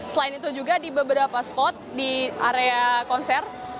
selain itu juga di beberapa spot di area konser